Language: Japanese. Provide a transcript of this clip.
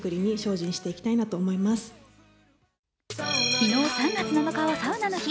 昨日３月７日はサウナの日。